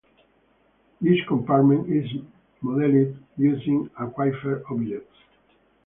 This compartment is modeled using Aquifer objects.